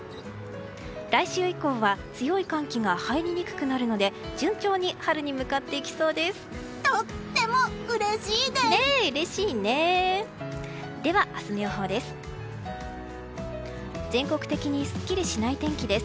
来週以降は強い寒気が入りにくくなるので順調に春に向かっていきそうです。